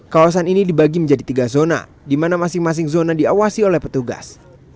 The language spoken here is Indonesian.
kawasan ini dibagi menjadi tiga zona di mana masing masing zona diawasi oleh petugas